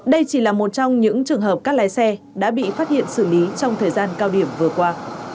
đây chỉ là một trong những trường hợp các lái xe đã bị phát hiện xử lý trong thời gian cao điểm vừa qua